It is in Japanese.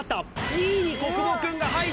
２位に小久保君が入った！